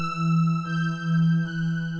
pindah dalem ya